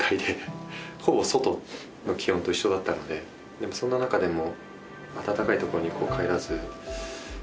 でもそんな中でも。